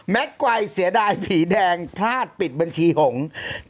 ไกลเสียดายผีแดงพลาดปิดบัญชีหงษ์